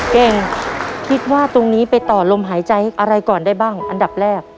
เก่งคิดว่าตรงนี้ไปต่อลมหายใจอะไรก่อนได้บ้างอันดับแรก